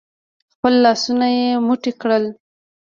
خپل لاسونه يې موټي کړل.